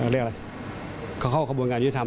เรียกว่าเข้าข้อบรวมการยุติธรรม